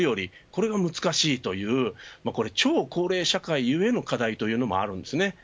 これが難しいという超高齢社会ゆえの課題というのもあるんです。